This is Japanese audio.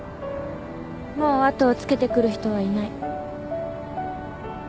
もう後をつけてくる人はいない。